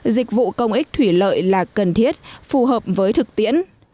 dịch vụ công ích thủy lợi là cần thiết phù hợp với thực tiễn